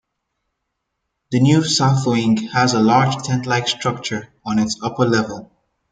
The new south wing has a large 'tent-like' structure on its upper level.